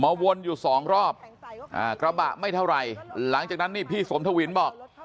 วนอยู่สองรอบอ่ากระบะไม่เท่าไหร่หลังจากนั้นนี่พี่สมทวินบอก